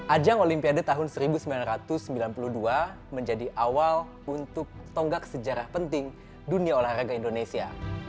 ajang olimpiade tahun seribu sembilan ratus sembilan puluh dua menjadi awal untuk tonggak sejarah penting dunia olahraga indonesia